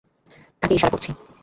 তাকে ইশারা করছি।